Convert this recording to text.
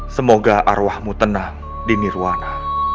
semoga arwahmu tenang di nirwana